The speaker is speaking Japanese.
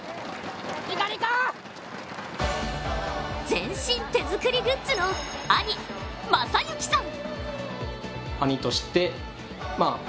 全身手作りグッズの兄・雅之さん。